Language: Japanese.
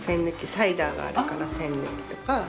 サイダーがあるから栓抜きとか。